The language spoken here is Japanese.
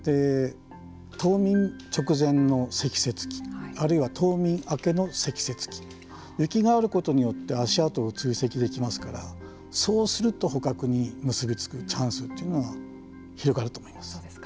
冬眠直前の積雪期あるいは冬眠明けの積雪期雪があることによって足跡を追跡できますからそうすると、捕獲に結び付くチャンスというのは広がると思います。